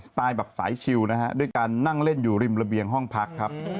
ไตล์แบบสายชิลนะฮะด้วยการนั่งเล่นอยู่ริมระเบียงห้องพักครับ